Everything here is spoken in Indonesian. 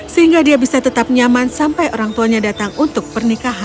sehingga dia bisa tetap nyaman sampai orang tuanya datang untuk pernikahan